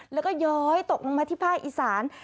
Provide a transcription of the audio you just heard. แล้วก็ย้อยตกลงมาที่ภาคอีสาน